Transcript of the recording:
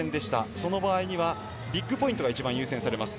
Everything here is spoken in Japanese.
その場合にはビッグポイントが一番優先されます。